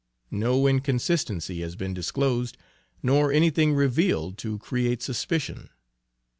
No inconsistency has been disclosed nor anything revealed to create suspicion.